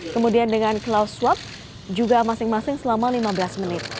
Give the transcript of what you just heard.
kemudian dengan claus swab juga masing masing selama lima belas menit